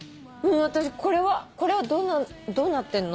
私これはどうなってんの？